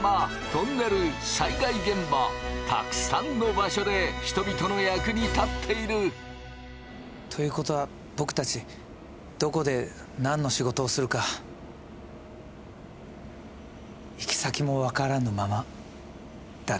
たくさんの場所で人々の役に立っている！ということは僕たちどこで何の仕事をするか行き先も解らぬままだね。